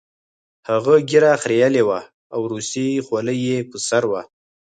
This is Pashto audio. هغه ږیره خریلې وه او روسۍ خولۍ یې په سر وه